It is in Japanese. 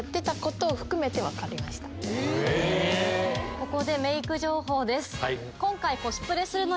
ここでメーク情報です。